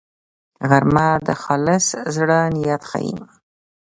غرمه د خالص زړه نیت ښيي